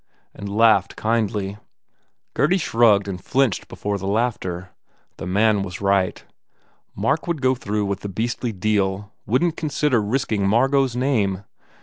and laughed kindly. Gurdy shrugged and flinched before the laughter. The man was right. Mark would go through with the beastly deal, wouldn t consider risking Margot s name.